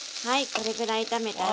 これぐらい炒めたら。